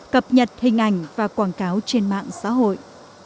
cập nhật hình ảnh và quảng cáo trên mạng xã hội